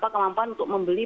kemampuan untuk membeli